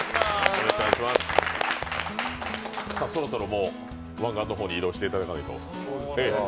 そろそろもう、湾岸の方に移動していただかないと。